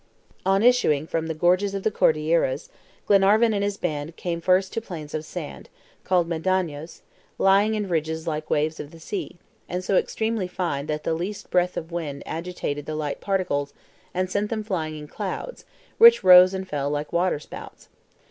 On issuing from the gorges of the Cordilleras, Glenarvan and his band came first to plains of sand, called MEDANOS, lying in ridges like waves of the sea, and so extremely fine that the least breath of wind agitated the light particles, and sent them flying in clouds, which rose and fell like water spouts.